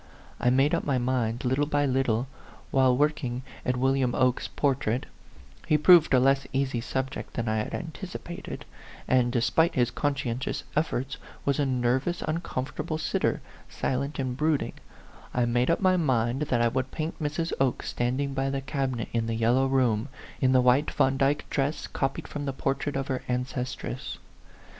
I made up my mind, little by little, while working at Will 5 66 A PHANTOM LOVER iam Oke's portrait (he proved a less easy subject than I had anticipated, and, despite his conscientious efforts, was a nervous, un comfortable sitter, silent and brooding) I made up my mind that I would paint Mrs. Oke standing by the cabinet in the yellow room, in the white Vandyck dress copied from, the portrait of her ancestress.